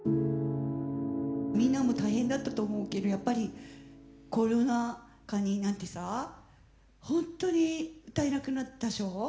みんなも大変だったと思うけどやっぱりコロナ禍になってさ本当に歌えなくなったっしょ？